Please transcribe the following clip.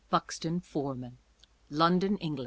Buxton Formal: London, Eng.